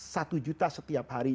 satu juta setiap hari